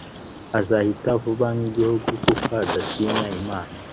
azahita vuba nk'igihu, kuko adatinya imana